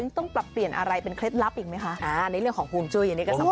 ต้องปรับเปลี่ยนอะไรเป็นเคล็ดลับอีกไหมคะอ่าในเรื่องของฮวงจุ้ยอันนี้ก็สำคัญ